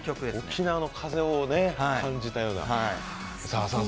沖縄の風を感じたような。